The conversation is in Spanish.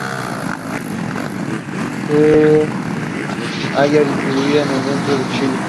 Se halla distribuida en el centro de Chile.